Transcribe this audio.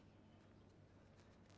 menjadi kemampuan anda